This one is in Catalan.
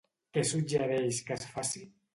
Què suggereix que es faci?